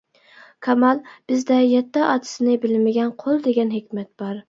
كامال «بىزدە يەتتە ئاتىسىنى بىلمىگەن-قۇل» دېگەن ھېكمەت بار.